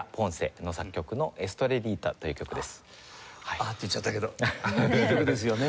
「あっ」って言っちゃったけどいい曲ですよね。